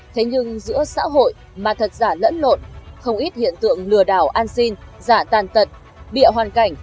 thế nhưng giữa xã hội mà thật giả lẫn lộn không ít hiện tượng lừa đảo ăn xin giả tàn tật biệu hoàn cảnh